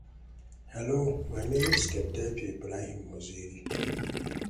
He then kisses her goodbye, but she is reluctant to let him go.